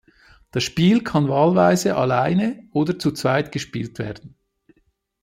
Das Spiel kann wahlweise alleine oder zu zweit gespielt werden.